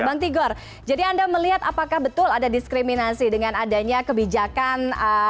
bang tigor jadi anda melihat apakah betul ada diskriminasi dengan adanya kebijakan